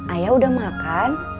ayah udah makan